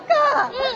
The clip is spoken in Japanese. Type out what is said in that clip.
うん！